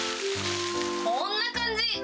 こんな感じ。